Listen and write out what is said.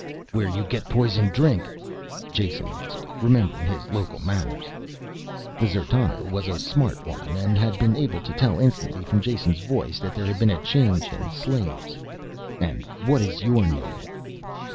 "Where you get poison drink?" Jason asked, remembering his local manners. This D'zertano was a smart one and had been able to tell instantly from Jason's voice that there had been a change in slaves. "And what your name?"